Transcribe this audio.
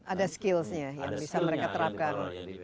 ada skills nya yang bisa mereka terapkan